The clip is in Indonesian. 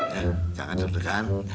ya jangan deg degan